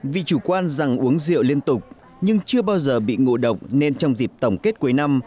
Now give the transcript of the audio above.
vì chủ quan rằng uống rượu liên tục nhưng chưa bao giờ bị ngộ độc nên trong dịp tổng kết cuối năm